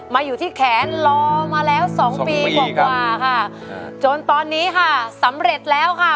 มาอยู่ที่แขนรอมาแล้วสองปีกว่ากว่าค่ะจนตอนนี้ค่ะสำเร็จแล้วค่ะ